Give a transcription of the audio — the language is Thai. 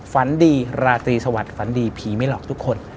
ฝันดีราตรีสวัสดิฝันดีผีไม่หลอกทุกคน